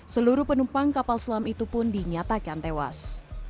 seluruh penumpang kapal selam itu pun dinyatakan tewas